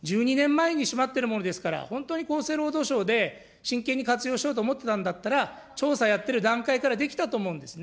１２年前に閉まってるものですから、本当に厚生労働省で真剣に活用しようと思っていたんだったら、調査やってる段階からできたと思うんですね。